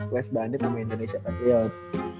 west bandit sama indonesia patriot